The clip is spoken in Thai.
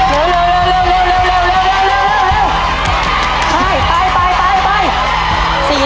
ไปไปไปไป